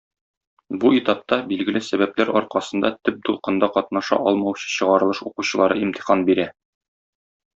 Бу этапта билгеле сәбәпләр аркасында төп дулкында катнаша алмаучы чыгарылыш укучылары имтихан бирә.